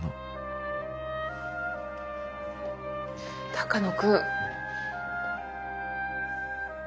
鷹野君。